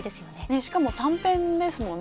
しかも短編ですよね。